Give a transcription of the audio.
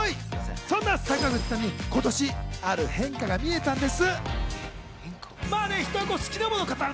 そんな坂口さんに今年、ある変化が見えたんです。